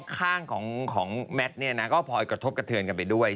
ข้างของแมทเนี่ยนะก็พลอยกระทบกระเทือนกันไปด้วย